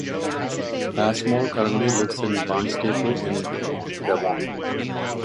Passmore currently lives in Barnstaple in Devon.